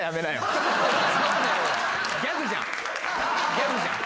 ギャグじゃん。